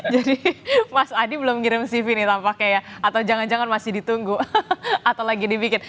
jadi mas adi belum mengirim cv tanpa kayak atau jangan jangan masih ditunggu atau lagi dibikin